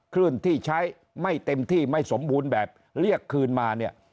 คลื่นที่ใช้ไม่เต็มที่ไม่สมบูรณ์แบบเรียกคืนมาเนี่ย